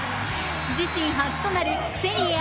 自身初となるセリエＡ